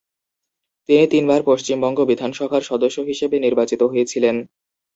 তিনি তিনবার পশ্চিমবঙ্গ বিধানসভার সদস্য হিসেবে নির্বাচিত হয়েছিলেন।